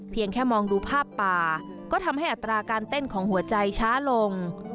แค่มองดูภาพป่าก็ทำให้อัตราการเต้นของหัวใจช้าลง